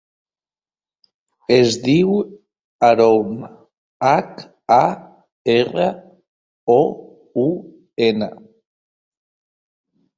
Es diu Haroun: hac, a, erra, o, u, ena.